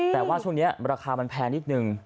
แต่ว่าช่วงนี้ราคามันแพงนิดนึง